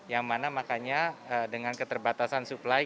yang mana makanya dengan keterbatasan supply